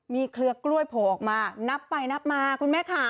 เครือกล้วยโผล่ออกมานับไปนับมาคุณแม่ค่ะ